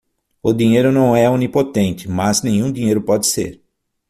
O dinheiro não é onipotente, mas nenhum dinheiro pode ser